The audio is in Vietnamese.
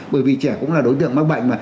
bởi vì trẻ cũng là đối tượng mắc bệnh mà